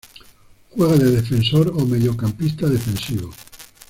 Juega de defensor o mediocampista defensivo.